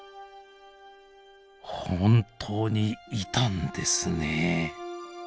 本当にいたんですねえ！